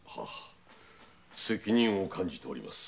責任を感じております。